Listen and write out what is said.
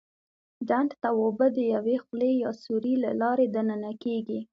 ډنډ ته اوبه د یوې خولې یا سوري له لارې دننه کېږي.